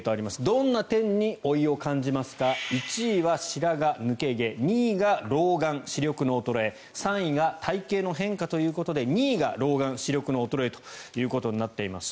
どんな点に老いを感じますか１位は白髪・抜け毛２位が老眼・視力の衰え３位が体形の変化ということで２位が老眼・視力の衰えとなっています。